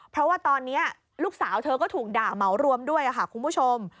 เพราะว่าตอนนี้ลูกสาวเธอก็ถูกด่าเหมารวมด้วยค่ะคุณผู้ชม